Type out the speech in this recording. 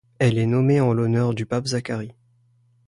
Elle est nommée en l'honneur du pape Zacharie.